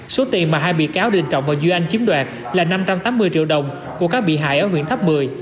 số tiền mà hai bị cáo đình trọng và duy anh chiếm đoạt là năm trăm tám mươi triệu đồng của các bị hại ở huyện tháp một mươi